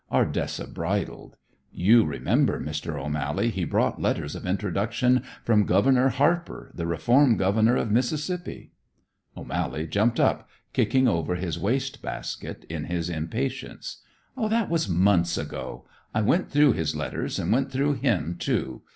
Ardessa bridled. "You remember, Mr. O'Mally, he brought letters of introduction from Governor Harper, the reform Governor of Mississippi." O'Mally jumped up, kicking over his waste basket in his impatience. "That was months ago. I went through his letters and went through him, too.